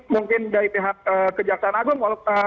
mungkin dari pihak kejaksaan agung